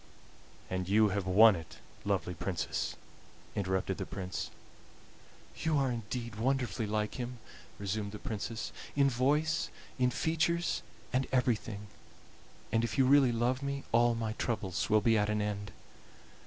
"And you have won it, lovely Princess," interrupted the Prince. "You are indeed wonderfully like him," resumed the Princess "in voice, in features, and everything; and if you really love me all my troubles will be at an end."